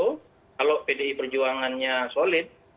kalau pdi perjuangannya solid